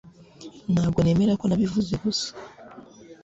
Ntabwo nemera ko nabivuze gusa